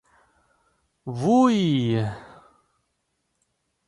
— Vuy-y-y-y!